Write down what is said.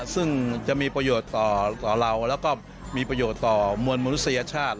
ซึ่งจะมีประโยชน์ต่อเราแล้วก็มีประโยชน์ต่อมวลมนุษยชาติ